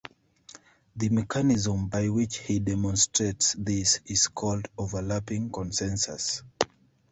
The mechanism by which he demonstrates this is called "overlapping consensus".